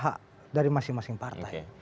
hak dari masing masing partai